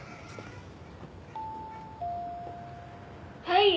「はい」